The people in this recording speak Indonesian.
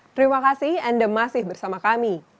terima kasih anda masih bersama kami